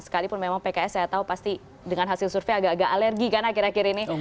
sekalipun memang pks saya tahu pasti dengan hasil survei agak agak alergi kan akhir akhir ini